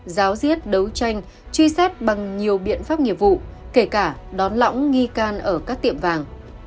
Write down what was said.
giáo diết đấu tranh truy xét bằng nhiều biện pháp nghiệp vụ kể cả đón lõng nghi can ở các tiệm vàng